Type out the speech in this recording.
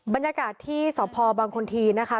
บรรยากาศที่สพบางคนทีนะคะ